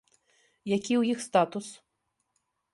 Які ў іх статус?